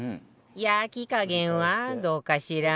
焼き加減はどうかしら？